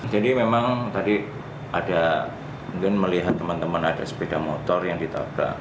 jadi memang tadi ada mungkin melihat teman teman ada sepeda motor yang ditabrak